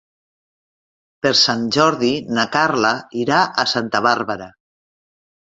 Per Sant Jordi na Carla irà a Santa Bàrbara.